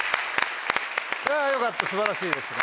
よかった素晴らしいですね。